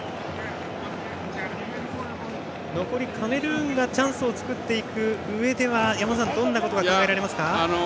残り、カメルーンがチャンスを作っていくうえでは山本さん、どんなことが考えられますか。